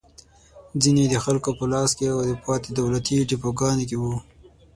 ځینې یې د خلکو په لاس کې او پاتې دولتي ډېپوګانو کې وو.